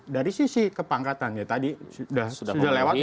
dari sisi kepangkatan ya tadi sudah lewat sudah